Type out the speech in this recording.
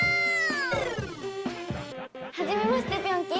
はじめましてピョンキー。